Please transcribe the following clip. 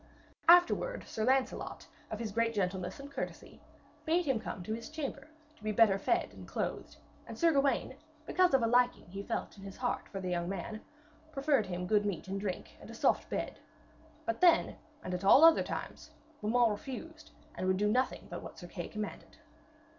Afterwards Sir Lancelot, of his great gentleness and courtesy, bade him come to his chamber, to be better fed and clothed; and Sir Gawaine, because of a liking he felt in his heart for the young man, proffered him good meat and drink and a soft bed. But then, and at all other times, Beaumains refused, and would do nothing but what Sir Kay commanded.